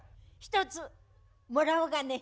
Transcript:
１つもらおうかね。